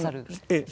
ええ。